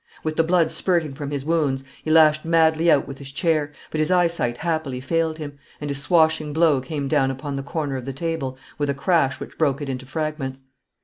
With the blood spurting from his wounds, he lashed madly out with his chair, but his eyesight happily failed him, and his swashing blow came down upon the corner of the table with a crash which broke it into fragments.